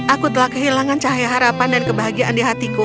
aku telah kehilangan cahaya harapan dan kebahagiaan di hatiku